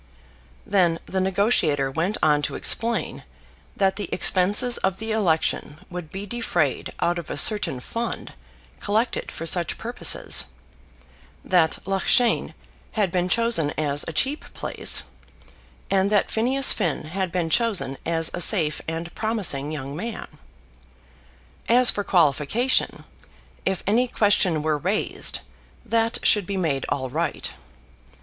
Then the negotiator went on to explain that the expenses of the election would be defrayed out of a certain fund collected for such purposes, that Loughshane had been chosen as a cheap place, and that Phineas Finn had been chosen as a safe and promising young man. As for qualification, if any question were raised, that should be made all right.